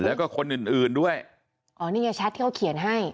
แล้วก็คนอื่นอื่นด้วยอ๋อนี่ไงแชทที่เขาเขียนให้